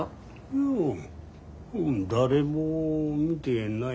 いや誰も見てないよ。